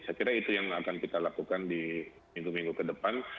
saya kira itu yang akan kita lakukan di minggu minggu ke depan